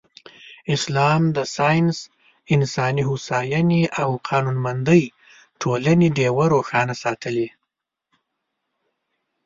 اسلام د ساینس، انساني هوساینې او قانونمندې ټولنې ډېوه روښانه ساتلې.